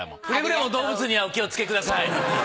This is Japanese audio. くれぐれも動物にはお気をつけください。